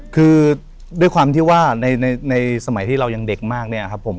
คือด้วยความที่ว่าในสมัยที่เรายังเด็กมากเนี่ยครับผม